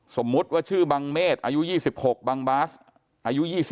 สมมุติว่าชื่อบังเมษอายุ๒๖บังบาสอายุ๒๒